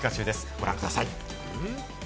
ご覧ください。